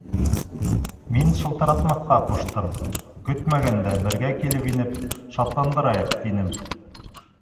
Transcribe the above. Мин шылтыратмаҫҡа ҡуштым, көтмәгәндә, бергә килеп инеп, шатландырайыҡ, тинем.